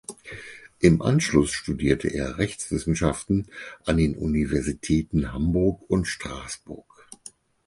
Im Anschluss studierte er Rechtswissenschaften an den Universitäten Hamburg und Straßburg.